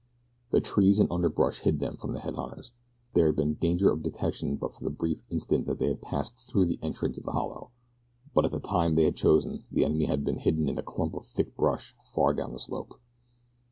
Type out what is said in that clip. The trees and underbrush hid them from the head hunters. There had been danger of detection but for the brief instant that they passed through the entrance of the hollow, but at the time they had chosen the enemy had been hidden in a clump of thick brush far down the slope.